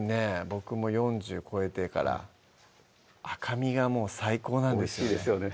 僕も４０超えてから赤身が最高なんですよね